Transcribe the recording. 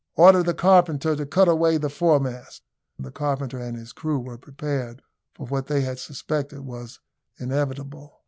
"Order the carpenter to cut away the foremast." The carpenter and his crew were prepared for what they had suspected was inevitable.